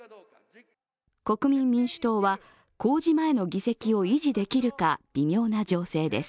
国民民主党は、公示前の議席を維持できるか微妙な情勢です。